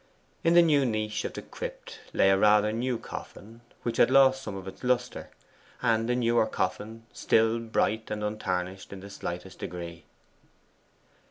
In the new niche of the crypt lay a rather new coffin, which had lost some of its lustre, and a newer coffin still, bright and untarnished in the slightest degree.